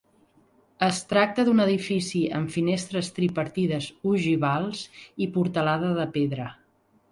Es tracta d'un edifici amb finestres tripartides ogivals i portalada de pedra.